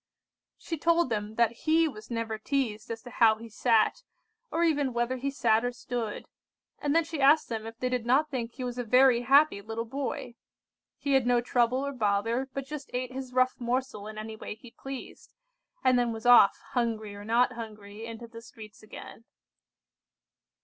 She told them that he was never teazed as to how he sat, or even whether he sat or stood, and then she asked them if they did not think he was a very happy little boy? He had no trouble or bother, but just ate his rough morsel in any way he pleased, and then was off, hungry or not hungry, into the streets again.